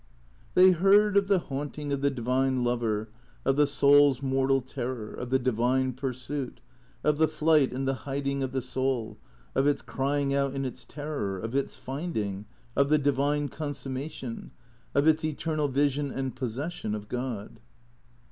They heard of the haunting of the divine Lover; of the soul's mortal terror ; of the divine pursuit, of the flight and the hiding of the soul, of its crying out in its terror ; of its finding ; of the divine consummation ; of its eternal vision and possession of God.